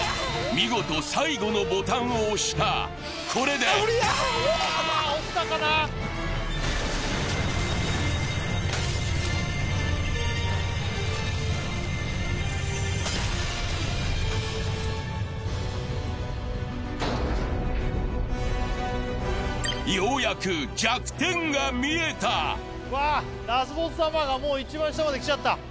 見事最後のボタンを押したこれでようやく弱点が見えたわあっラスボス様がもう一番下まで来ちゃった